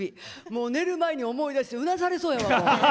もう寝る前に思い出してうなされそうやわ。